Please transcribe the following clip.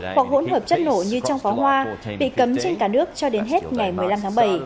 hoặc hỗn hợp chất nổ như trong pháo hoa bị cấm trên cả nước cho đến hết ngày một mươi năm tháng bảy